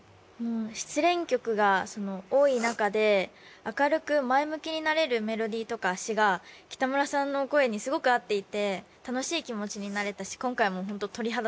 失恋曲が多いなかで明るく前向きになれるメロディーとか詞が北村さんの声にすごく合っていて楽しい気持ちになれたし今回もホント鳥肌止まらなかったし